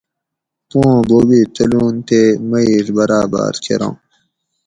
پواں بوب ئ تلون تے مٞیٔیڄ براٞباٞر کراں